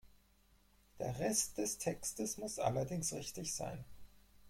Der Rest des Textes muss allerdings richtig sein.